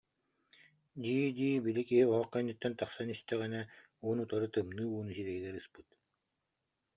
дии-дии, били киһи оһох кэнниттэн тахсан истэҕинэ, уун-утары тымныы ууну сирэйигэр ыспыт